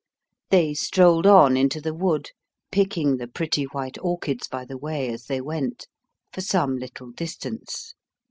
They strolled on into the wood, picking the pretty white orchids by the way as they went, for some little distance.